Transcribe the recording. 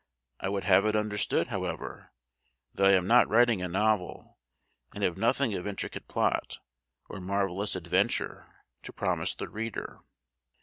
I would have it understood, however, that I am not writing a novel, and have nothing of intricate plot, or marvellous adventure, to promise the reader.